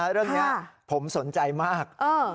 เรื่องนี้ผมสนใจมาก